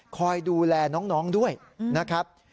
คอยดูแลน้องด้วยนะครับ